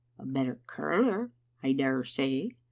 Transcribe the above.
" A better curler, I dare say."